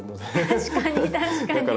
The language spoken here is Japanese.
確かに確かに。